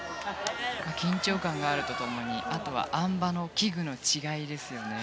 緊張感があると共にあとはあん馬の器具の違いですよね。